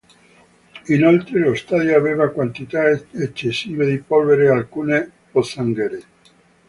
Inoltre, lo stadio aveva quantità eccessive di polvere e alcune pozzanghere.